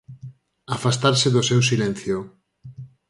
Afastarse do seu silencio.